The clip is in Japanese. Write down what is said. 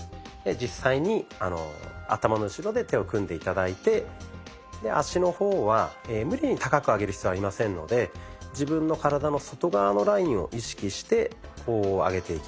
実際に頭の後ろで手を組んで頂いてで脚の方は無理に高く上げる必要はありませんので自分の体の外側のラインを意識してこう上げていきます。